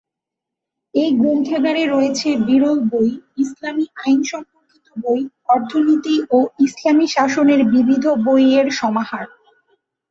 এই গ্রন্থাগারে রয়েছে বিরল বই, ইসলামী আইন সম্পর্কিত বই, অর্থনীতি ও ইসলামী শাসনের বিবিধ বই-এর সমাহার।